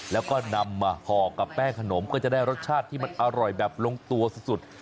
แล้วก็นำมาห่อกับแป้งขนมก็จะได้รสชาติที่มันอร่อยแบบลงตัวสุด